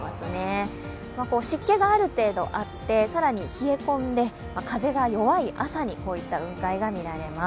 湿気がある程度あって、更に冷え込んで風が弱い朝にこういった雲海が見られます。